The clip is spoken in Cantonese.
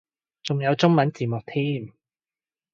仲有中文字幕添